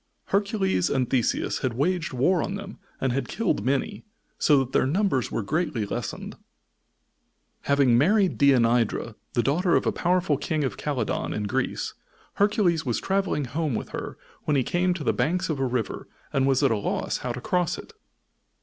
Hercules and Theseus had waged war on them and had killed many, so that their numbers were greatly lessened. Having married Deianira, the daughter of a powerful King of Calydon, in Greece, Hercules was traveling home with her when he came to the banks of a river and was at a loss how to cross it.